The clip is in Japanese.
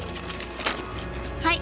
はい！